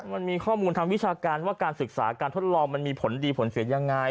มันมีข้อมูลทางวิชาการว่าการศึกษาการทดลองมันมีผลดีผลเสียยังไง